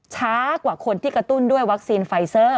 ช้ากว่าคนที่กระตุ้นด้วยวัคซีนไฟเซอร์